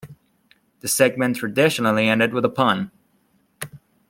The segment traditionally ended with a pun.